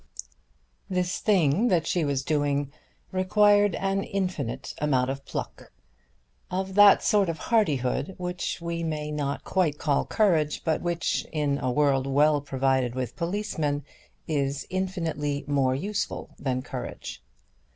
This thing that she was doing required an infinite amount of pluck, of that sort of hardihood which we may not quite call courage, but which in a world well provided with policemen is infinitely more useful than courage.